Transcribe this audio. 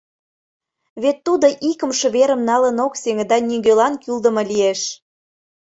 Вет тудо икымше верым налын ок сеҥе да нигӧлан кӱлдымӧ лиеш.